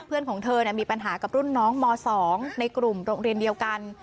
เพื่อนของเธอมีปัญหากับรุ่นน้องม๒ในกลุ่มโรงเรียนเดียวกัน